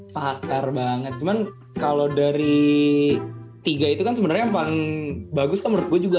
pagar banget cuman kalau dari tiga itu kan sebenarnya yang paling bagus kan menurut gue juga